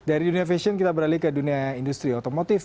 dari dunia fashion kita beralih ke dunia industri otomotif